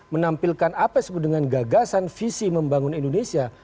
menampilkan apa yang disebut dengan gagasan visi membangun indonesia